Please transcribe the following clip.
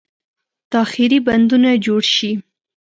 تاخیري بندونه جوړ شي.